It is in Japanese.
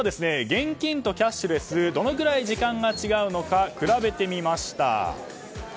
現金とキャッシュレスどのぐらい時間が違うのか比べてみました。